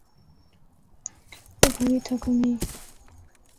ওভাবেই থাকো, মেয়ে।